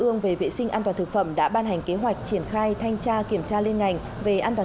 ương về vệ sinh an toàn thực phẩm đã ban hành kế hoạch triển khai thanh tra kiểm tra liên ngành về an toàn